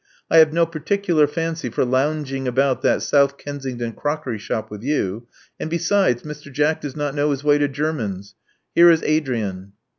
I have no particular fancy for lounging about that South Kensington crockery shop with you ; and, besides, Mr. Jack does not know his way to Jermyn's. Here is Adrian."